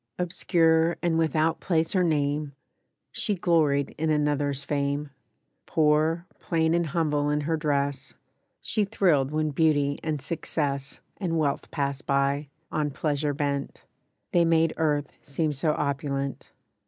Obscure and without place or name, She gloried in another's fame. Poor, plain and humble in her dress, She thrilled when beauty and success And wealth passed by, on pleasure bent; They made earth seem so opulent.